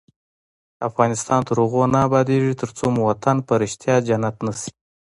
افغانستان تر هغو نه ابادیږي، ترڅو مو وطن په ریښتیا جنت نشي.